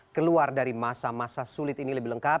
keluar dari masa masa sulit ini lebih lengkap